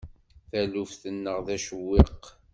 Taluft-nneɣ d acewwiq.